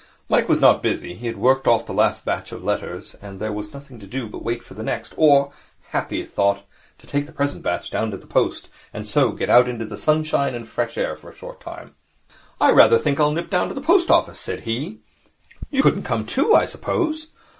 Mike was not busy. He had worked off the last batch of letters, and there was nothing to do but to wait for the next, or happy thought to take the present batch down to the post, and so get out into the sunshine and fresh air for a short time. 'I rather think I'll nip down to the post office,' said he, 'You couldn't come too, I suppose?'